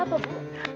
ada apa bu